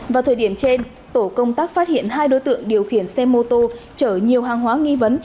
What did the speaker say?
vào thời điểm trên tổ công tác phát hiện hai đối tượng điều khiển xe mô tô chở nhiều hàng hóa nghi vấn